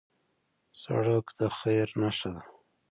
سړک د خیر نښه ده.